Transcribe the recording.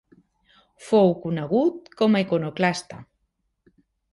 Fou conegut com a iconoclasta.